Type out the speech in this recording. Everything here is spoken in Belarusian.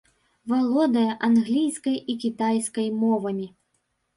Валодае англійскай і кітайскай мовамі.